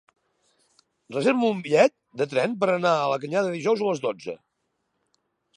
Reserva'm un bitllet de tren per anar a la Canyada dijous a les dotze.